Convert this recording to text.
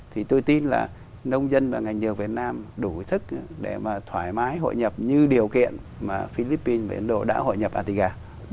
thì tôi tin là nông dân và ngành mía đường việt nam đủ sức để thoải mái hội nhập như điều kiện mà philippines và indo đã hội nhập atiga